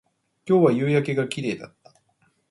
今日は夕焼けが綺麗だった